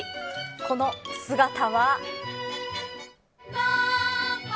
この姿は。